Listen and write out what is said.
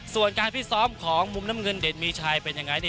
ส่วนการพิซ้อมของมุมน้ำเงินเด่นมีชัยเป็นยังไงนี่